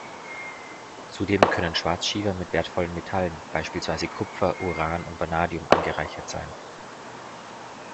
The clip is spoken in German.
Zudem können Schwarzschiefer mit wertvollen Metallen, beispielsweise Kupfer, Uran und Vanadium, angereichert sein.